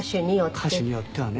歌手によってはね。